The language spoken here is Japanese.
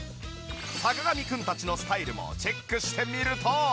坂上くんたちのスタイルもチェックしてみると。